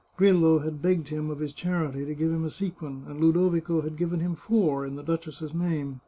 Grillo had begged him, of his charity, to give him a sequin, and Ludovico had given him four in the duchess's name.